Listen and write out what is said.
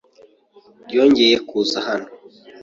Yongeye kuza hano.